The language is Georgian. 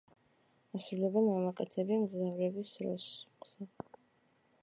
ასრულებენ მამაკაცები მგზავრობის დროს.